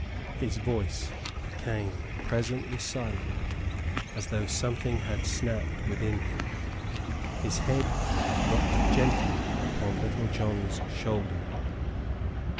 His voice became presently silent, as though something had snapped within him. His head dropped gently upon Little John's shoulder.